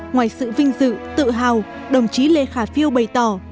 ngoài sự vinh dự tự hào đồng chí lê khả phiêu bày tỏ